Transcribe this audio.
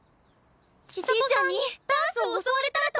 ちぃちゃんにダンスを教われたらと！